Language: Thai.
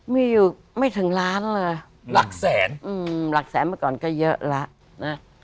มีอยู่ไม่ถึงล้านเลยหลักแสนอืมหลักแสนเมื่อก่อนก็เยอะแล้วนะ